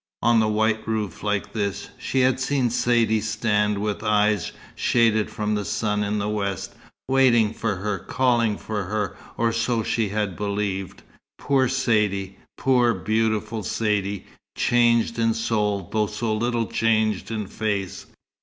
On a white roof like this, she had seen Saidee stand with eyes shaded from the sun in the west; waiting for her, calling for her, or so she had believed. Poor Saidee! Poor, beautiful Saidee; changed in soul, though so little changed in face!